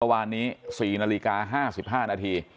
วานนี้๔นาฬิกา๕๕นาที